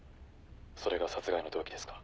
「それが殺害の動機ですか？」